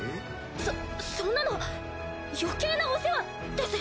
そそんなの余計なお世話です。